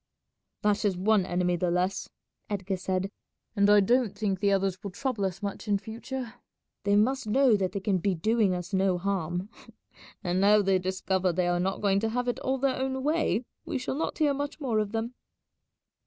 "That is one enemy the less," Edgar said, "and I don't think the others will trouble us much in future. They must know that they can be doing us no harm, and now they discover they are not going to have it all their own way we shall not hear much more of them."